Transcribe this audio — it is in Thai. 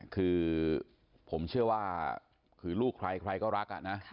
คือผมเชื่อว่าคือลูกใครใครก็รักนะ